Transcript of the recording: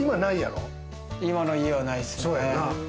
今の家はないっすね。